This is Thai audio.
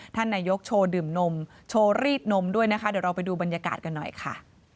ท่านนายกโชว์ดื่มนมโชว์รีดนมด้วยนะคะเดี๋ยวเราไปดูบรรยากาศกันหน่อยค่ะ